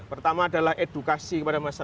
pertama adalah edukasi kepada masyarakat